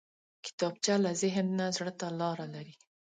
کتابچه له ذهن نه زړه ته لاره لري